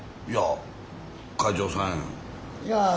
いや会長さんや。